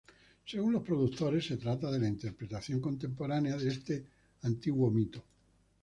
Según los productores, se trata de la interpretación contemporánea de este antiguo mito.